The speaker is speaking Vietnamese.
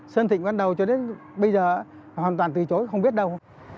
sơn thịnh ban đầu cho đến bây giờ hoàn toàn từ chối không biết đâu